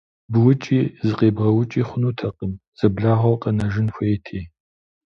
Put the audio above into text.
Быукӏи зыкъебгъэукӏи хъунутэкъым, зэблагъэу къэнэжын хуейти.